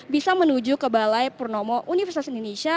bisa menuju ke balai purnomo universitas indonesia